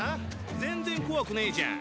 全然怖くねーじゃん。